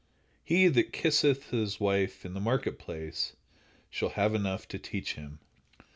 "He that kisseth his wife in the market place shall have enough to teach him."